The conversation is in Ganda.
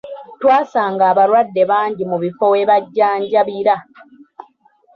Twasanga abalwadde bangi mu bifo we bajjanjabira.